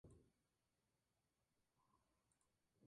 Considera a Kate Moss como una gran inspiración.